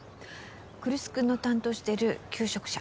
来栖君の担当してる求職者。